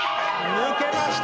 抜けました。